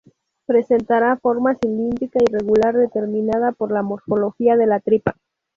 Presentará forma cilíndrica irregular, determinada por la morfología de la tripa.